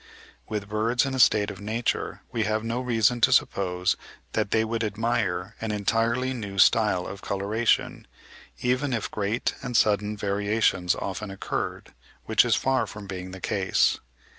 With birds in a state of nature we have no reason to suppose that they would admire an entirely new style of coloration, even if great and sudden variations often occurred, which is far from being the case.